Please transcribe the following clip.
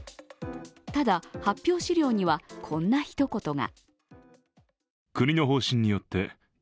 ただ、発表資料にはこんな一言が。